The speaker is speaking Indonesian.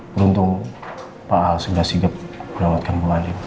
beruntung pak al segera segera lewatkan buah ini